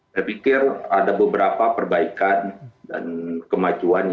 saya pikir ada beberapa perbaikan dan kemajuan